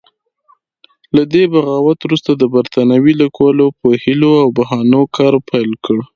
له دې بغاوت وروسته د برتانیې لیکوالو په حیلو او بهانو کار پیل کړ.